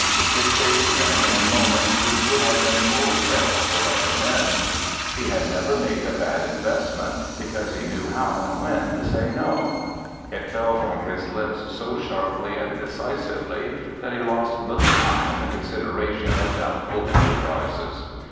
It saved him in moments which would have been full of peril for other men. He had never made a bad investment because he knew how and when to say "no." It fell from his lips so sharply and decisively that he lost little time in the consideration of doubtful enterprises.